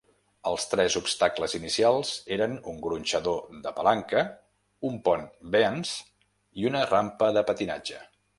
Els tres obstacles inicials eren un gronxador de palanca, un pont Beanz i una rampa de patinatge.